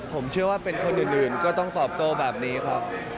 ผมเชื่อว่าเป็นคนอื่นก็ต้องตอบโต้แบบนี้ครับ